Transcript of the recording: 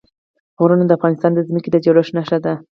غرونه د افغانستان د ځمکې د جوړښت نښه ده.